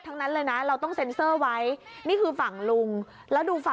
แต่ว่าดูตัดถ้ามาที่แม่กูนะคะ